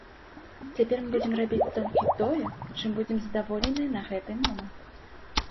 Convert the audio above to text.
Цяпер мы будзем рабіць толькі тое, чым будзем задаволеныя на гэты момант.